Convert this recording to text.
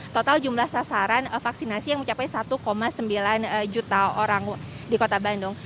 total jumlah sasaran vaksinasi yang mencapai satu sembilan juta orang di kota bandung